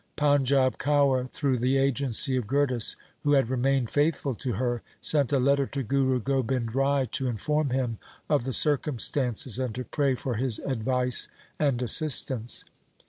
Panjab Kaur, through the agency of Gurdas, who had remained faithful to her, sent a letter to Guru Gobind Rai to inform him of the circumstances, and to pray for his advice and assistance.